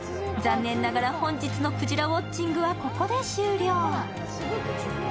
残念ながら本日のくじらウオッチングはここで終了。